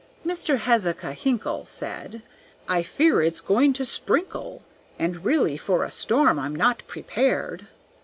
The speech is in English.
Mr. Hezekiah Hinkle Said, "I fear it's going to sprinkle, And really for a storm I'm not prepared."